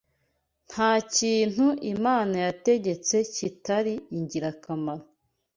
Nta kintu Imana yategetse kitari ingirakamaro